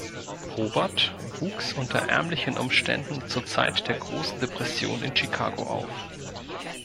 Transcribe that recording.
Robert wuchs unter ärmlichen Umständen zur Zeit der großen Depression in Chicago auf.